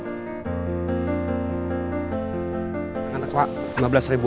jangan sampai aku kehilangan project lagi